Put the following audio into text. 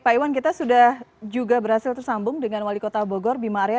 pak iwan kita sudah juga berhasil tersambung dengan wali kota bogor bima arya